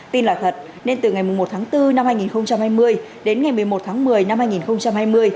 tin là thật nên từ ngày một tháng bốn năm hai nghìn hai mươi đến ngày một mươi một tháng một mươi năm hai nghìn hai mươi